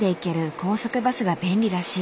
高速バスが便利らしい。